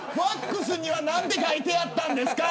ＦＡＸには何て書いてあったんですか。